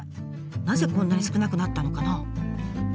なぜこんなに少なくなったのかな？